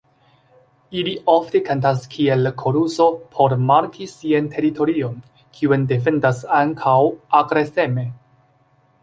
Ili ofte kantas kiel koruso por marki sian teritorion, kiun defendas ankaŭ agreseme.